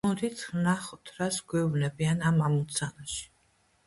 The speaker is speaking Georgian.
მოდით ვნახოთ, რას გვეუბნებიან ამ ამოცანაში.